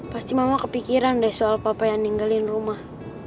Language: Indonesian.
pasti mama kepikiran deh soal papa yang ninggalin rumah